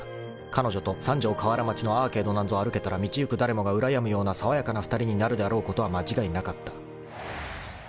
［彼女と三条河原町のアーケードなんぞ歩けたら道行く誰もがうらやむようなさわやかな２人になるであろうことは間違いなかった］